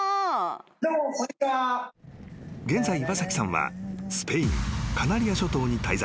［現在岩崎さんはスペインカナリア諸島に滞在］